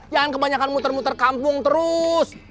jangan kebanyakan muter muter kampung terus